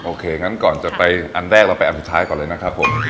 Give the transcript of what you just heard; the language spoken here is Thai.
โอเคงั้นก่อนจะไปอันแรกเราไปอันสุดท้ายก่อนเลยนะครับผม